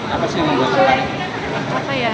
apa sih yang membuka